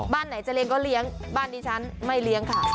บ้านไหนจะเลี้ยก็เลี้ยงบ้านดิฉันไม่เลี้ยงค่ะ